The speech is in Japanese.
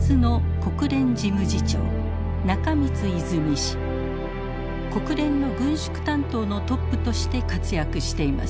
国連の軍縮担当のトップとして活躍しています。